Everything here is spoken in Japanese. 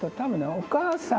『お母さん』。